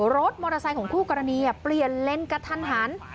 รถมอเตอร์ไซค์ของคู่กรณีเปลี่ยนเลนส์กระทันหัน